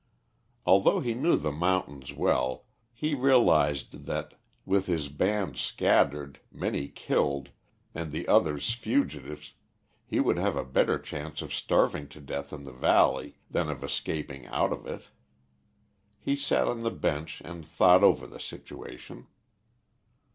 Although he knew the mountains well, he realised that, with his band scattered, many killed, and the others fugitives, he would have a better chance of starving to death in the valley than of escaping out of it. He sat on the bench and thought over the situation.